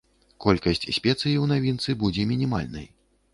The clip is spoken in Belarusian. Колькасць спецый у навінцы будзе мінімальнай.